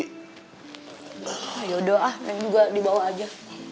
yaudah ah neng juga dibawa aja